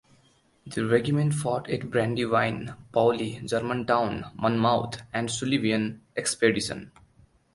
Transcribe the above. The regiment fought at Brandywine, Paoli, Germantown, Monmouth and the Sullivan Expedition.